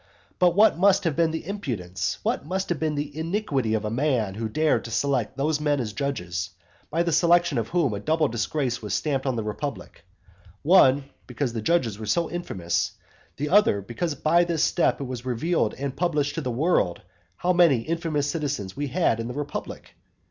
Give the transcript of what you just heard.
But what must have been the impudence, what must have been the iniquity of a man who dared to select those men as judges, by the selection of whom a double disgrace was stamped on the republic: one, because the judges were so infamous; the other, because by this step it was revealed and published to the world how many infamous citizens we had in the republic?